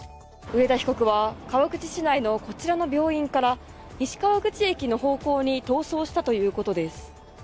上田被告は川口市内のこちらの病院から西川口駅の方向に逃走したということです。